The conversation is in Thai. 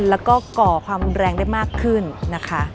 แล้วก็ก่อความรุนแรงได้มากขึ้นนะคะ